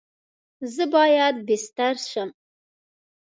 زه باید بیستر سم؟